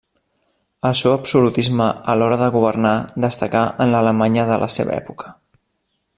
El seu absolutisme a l'hora de governar destacà en l'Alemanya de la seva època.